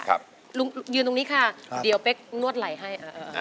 ลุงยืนตรงนี้ค่ะเดี๋ยวเป๊กนวดไหล่ให้